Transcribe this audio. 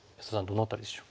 どの辺りでしょう？